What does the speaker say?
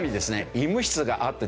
医務室があってですね